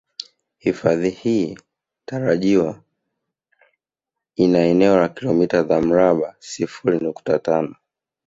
Hifadhi hii tarajiwa ina eneo la kilomita za mraba sifuri nukta tano